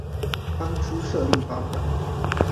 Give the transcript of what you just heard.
當初設立發票